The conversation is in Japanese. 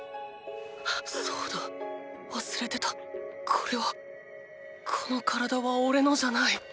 そうだ忘れてたこれはこの体はおれのじゃない！